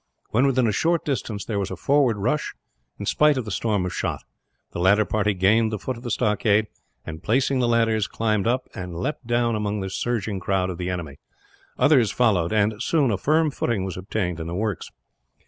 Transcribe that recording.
When within a short distance there was a forward rush, in spite of the storm of shot. The ladder party gained the foot of the stockade and, placing the ladders, climbed up, and leapt down among the surging crowd of the enemy. Others followed and, soon, a firm footing was obtained in the works.